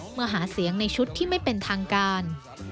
หาเสียงในชุดที่ไม่เป็นทางการ